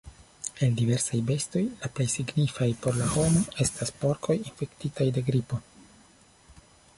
El diversaj bestoj la plej signifaj por la homo estas porkoj infektitaj de gripo.